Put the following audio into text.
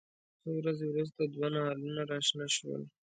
څو ورځې وروسته دوه نهالونه راشنه شول.